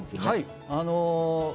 はい。